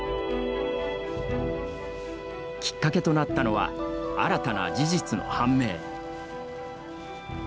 きっかけとなったのは新たな事実の判明。